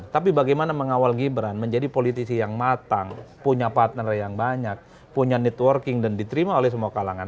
tapi bagaimana mengawal gibran menjadi politisi yang matang punya partner yang banyak punya networking dan diterima oleh semua kalangan